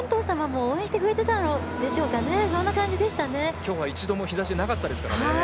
きょうは一度もなかったですからね。